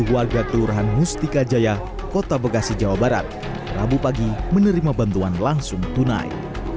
seribu enam ratus sembilan puluh warga kelurahan mustika jaya kota bekasi jawa barat rabu pagi menerima bantuan langsung tunai